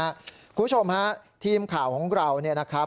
คุณผู้ชมฮะทีมข่าวของเรา